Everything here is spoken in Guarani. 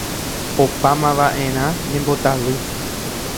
Opámavaʼerã ñembotavy.